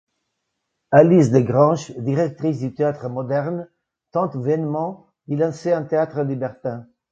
Alice des Granges, directrice du théâtre Moderne, tente vainement d'y lancer un théâtre Libertin.